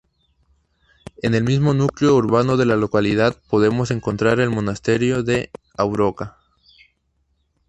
En el mismo núcleo urbano de la localidad podemos encontrar el Monasterio de Arouca.